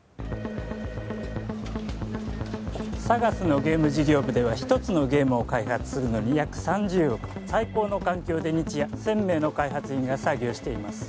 ＳＡＧＡＳのゲーム事業部では一つのゲームを開発するのに約３０億最高の環境で日夜１０００名の開発員が作業しています